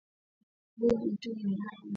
Bu muntu ni haya mumacho